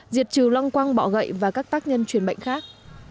diệt trừ loang quang bộ gậy và các tác nhân chuyển bệnh khác